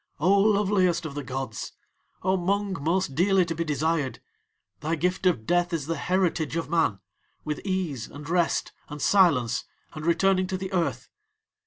O loveliest of the gods! O Mung, most dearly to be desired! thy gift of Death is the heritage of Man, with ease and rest and silence and returning to the Earth.